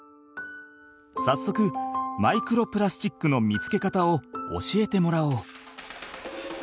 さっそくマイクロプラスチックの見つけ方を教えてもらおう！